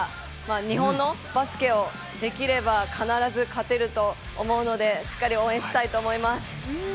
日本のバスケをできれば必ず勝てると思うのでしっかり応援したいと思います。